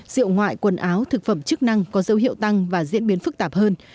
rượu ngoại quần áo thực phẩm chức năng có dấu hiệu tăng và diễn biến phức tạp hơn